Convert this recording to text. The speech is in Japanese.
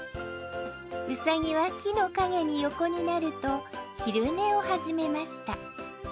うさぎは木の陰に横になると昼寝を始めました。